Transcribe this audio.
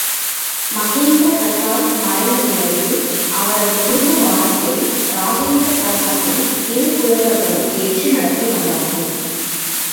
மகேந்திர பிரசாத் மறைந்த பிறகு அவரது குடும்ப பாரத்தை இராஜேந்திர பிரசாத்தின் இரு புதல்வர்களும் ஏற்று நடத்தி வந்தார்கள்.